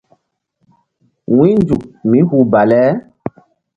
Wu̧ynzuk mí hu bale.